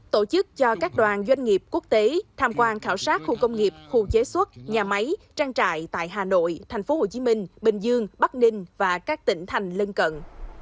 tổ chức cho các đoàn doanh nghiệp quốc tế tham quan khảo sát khu công nghiệp khu chế xuất nhà máy trang trại tại hà nội tp hcm bình dương bắc ninh và các tỉnh thành lân cận